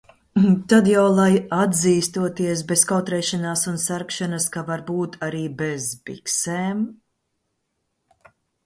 Tad jau lai atzīstoties bez kautrēšanās un sarkšanas, ka varbūt arī bez biksēm.